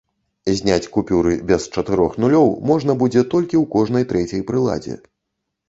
Зняць купюры без чатырох нулёў можна будзе толькі ў кожнай трэцяй прыладзе.